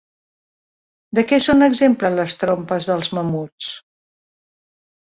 De què són exemple les trompes dels mamuts?